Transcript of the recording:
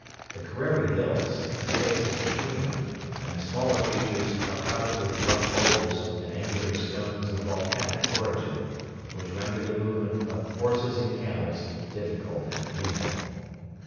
The Kerreri Hills, the spaces between them, and the smaller features are covered with rough boulders and angular stones of volcanic origin, which render the movements of horses and camels difficult and painful.